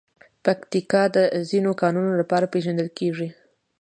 پکتیکا د ځینو کانونو لپاره پېژندل کېږي.